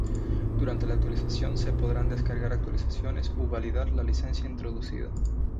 Durante la actualización se podrán descargar actualizaciones u validar la licencia introducida.